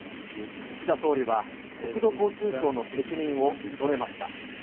岸田総理は、国土交通省の責任を認めました。